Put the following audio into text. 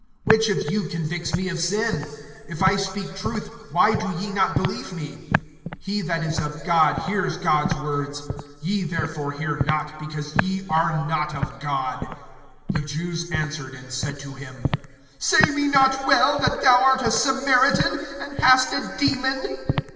(46)Which of you convicts me of sin? If I speak truth, why do ye not believe me? (47)He that is of God hears God's words; ye therefore hear not, because ye are not of God. (48)The Jews answered and said to him: Say we not well, that thou art a Samaritan, and hast a demon?